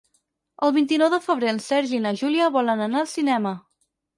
El vint-i-nou de febrer en Sergi i na Júlia volen anar al cinema.